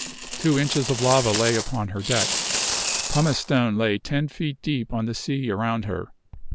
Two inches of lava lay upon her deck. Pumice stone lay ten feet deep on the sea around her.